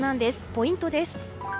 ポイントです。